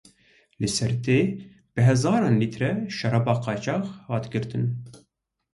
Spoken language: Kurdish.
Li Sêrtê bi hezaran lître şeraba qaçax hat girtin.